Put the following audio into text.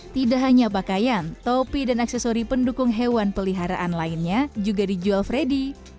tidak hanya pakaian topi dan aksesori pendukung hewan peliharaan lainnya juga dijual freddy